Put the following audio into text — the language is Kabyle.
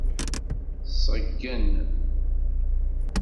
Ṣeggen.